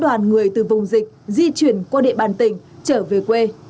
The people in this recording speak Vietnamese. đoàn người từ vùng dịch di chuyển qua địa bàn tỉnh trở về quê